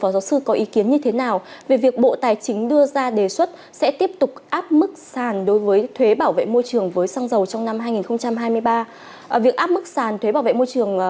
tuy nhiên mới đây bộ tài chính đã đề xuất tiếp tục áp mức sản thuế bảo vệ môi trường